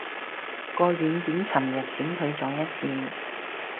個軟件尋日閃退咗一次